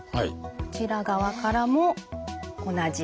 こちら側からも同じ。